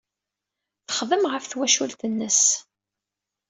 Texdem ɣef twacult-nnes.